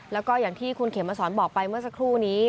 แล้วก็อย่างที่คุณเขมสอนบอกไปเมื่อสักครู่นี้